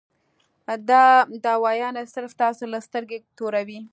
دا دوايانې صرف تاسو له سترګې توروي -